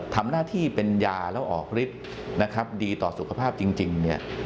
ทำหน้าที่เป็นยาและออกฤทธิ์ดีต่อสุขภาพจริง